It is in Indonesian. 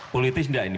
politis enggak ini